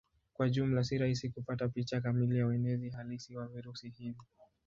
Kwa jumla si rahisi kupata picha kamili ya uenezi halisi wa virusi hivi.